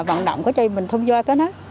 vận động có chơi mình thông gia cái đó